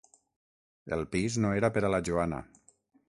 El pis no era per a la Joana.